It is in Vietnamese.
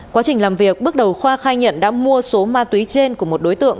quá trình làm việc bước đầu khoa khai nhận đã mua số ma túy trên của một đối tượng